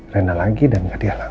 rena lagi dan nggak dihalangi